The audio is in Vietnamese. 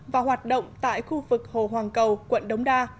và hoạt động tại khu vực hồ hoàng cầu quận đống đa